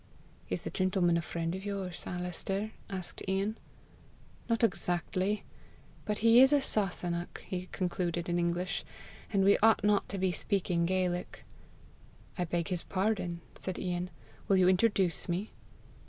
"Is the gentleman a friend of yours, Alister?" asked Ian. "Not exactly. But he is a Sasunnach," he concluded in English, "and we ought not to be speaking Gaelic." "I beg his pardon," said Ian. "Will you introduce me?"